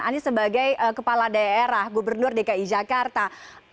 anies sebagai kepala daerah gubernur dki jakarta